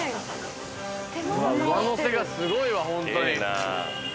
上のせがすごいわホントに。